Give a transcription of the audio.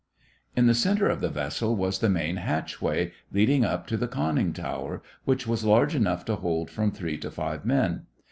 In the center of the vessel was the main hatchway, leading up to the conning tower, which was large enough to hold from three to five men.